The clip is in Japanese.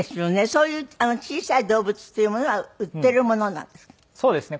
そういう小さい動物というものは売っているものなんですか？